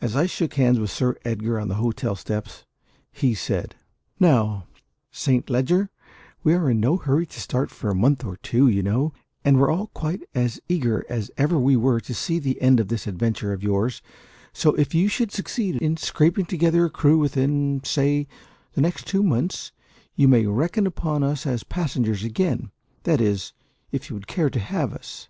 As I shook hands with Sir Edgar on the hotel steps, he said "Now, Saint Leger, we are in no hurry to start for a month or two, you know; and we are all quite as eager as ever we were to see the end of this adventure of yours; so if you should succeed in scraping together a crew within, say, the next two months, you may reckon upon us as passengers again that is, if you would care to have us."